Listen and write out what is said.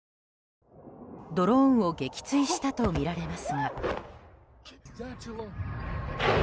ドローンを撃墜したとみられますが。